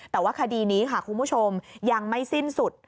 แต่ว่าคดีนี้ค่ะคุณผู้ชมยังไม่สิ้นสุด